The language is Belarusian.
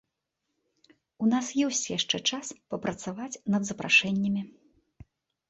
У нас ёсць яшчэ час папрацаваць над запрашэннямі.